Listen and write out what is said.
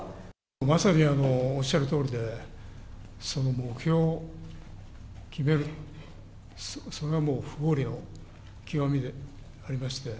まさにおっしゃるとおりで、その目標を決める、それはもう不合理の極みでありまして。